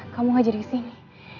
kamu ngajari kesini